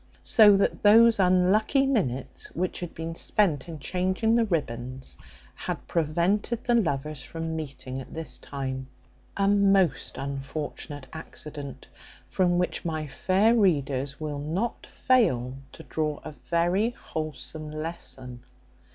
So that those unlucky minutes which had been spent in changing the ribbons, had prevented the lovers from meeting at this time; a most unfortunate accident, from which my fair readers will not fail to draw a very wholesome lesson.